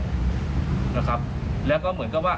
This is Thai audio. นะครับแล้วก็เหมือนกับว่า